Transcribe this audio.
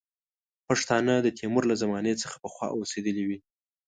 پښتانه د تیمور له زمانې څخه پخوا اوسېدلي وي.